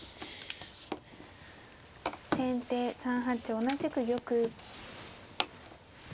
先手３八同じく玉。